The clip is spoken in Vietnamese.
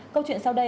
câu chuyện sau đây